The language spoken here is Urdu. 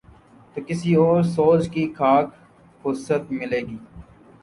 تو کسی اور سوچ کی خاک فرصت ملے گی۔